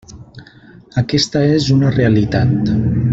Aquesta és una realitat.